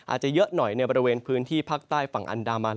อาจจะเยอะหน่อยในบริเวณพื้นที่ภาคใต้ฝั่งอันดามัน